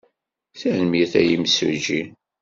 Tanemmirt a imsujji.